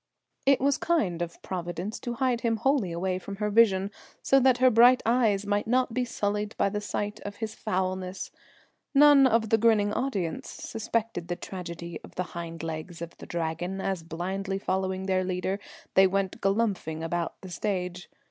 It was kind of Providence to hide him wholly away from her vision, so that her bright eyes might not be sullied by the sight of his foulness. None of the grinning audience suspected the tragedy of the hind legs of the Dragon, as blindly following their leader, they went "galumphing" about the stage.